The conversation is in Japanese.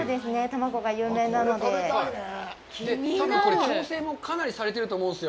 卵が有名なので。